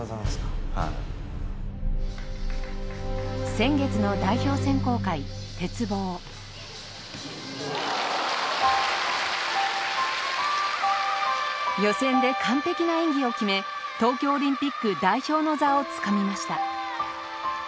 先月の代表選考会、鉄棒予選で完璧な演技を決め東京オリンピック代表の座をつかみました